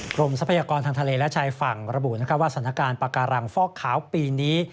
ทรัพยากรทางทะเลและชายฝั่งระบุว่าสถานการณ์ปากการังฟอกขาวปีนี้